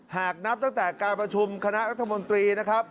หากนับตั้งแต่การประชุมคณะรัฐมนตรีนะครับ